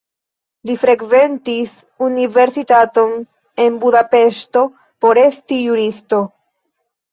Li frekventis universitaton en Budapeŝto por esti juristo.